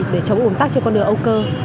để chống ủm tắc cho con đường âu cơ